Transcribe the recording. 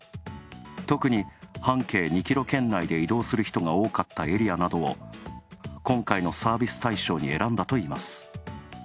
特に半径２キロ圏内で移動する人が多かったエリアなどを今回のサービス対象に選んだといいます。